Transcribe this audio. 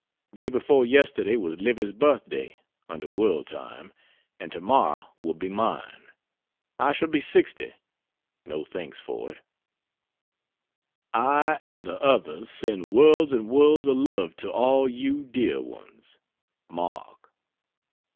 Day before yesterday was Livy's birthday (under world time), and tomorrow will be mine. I shall be 60 no thanks for it. I and the others send worlds and worlds of love to all you dear ones. MARK.